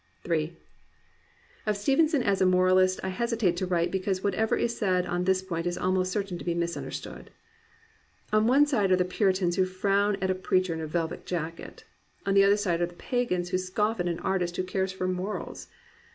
Ill Of Stevenson as a moralist I hesitate to write because whatever is said on this point is almost certain to be misunderstood. On one side are the puritans who frown at a preacher in a velvet jacket; on the other side the pagans who scoff at an artist who cares for morals.